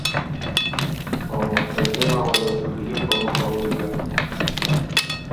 او مُخ په ځېمه وه ده سو بيې په مُخه وُريېن۔